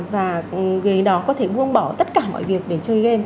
và người đó có thể buông bỏ tất cả mọi việc để chơi game